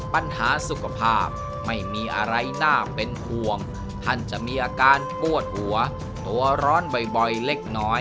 ปัญหาสุขภาพไม่มีอะไรน่าเป็นห่วงท่านจะมีอาการปวดหัวตัวร้อนบ่อยเล็กน้อย